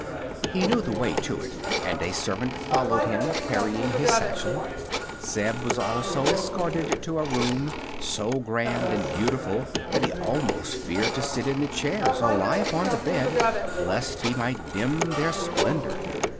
He knew the way to it, and a servant followed him, carrying his satchel. Zeb was also escorted to a room so grand and beautiful that he almost feared to sit in the chairs or lie upon the bed, lest he might dim their splendor.